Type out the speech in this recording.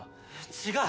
違う！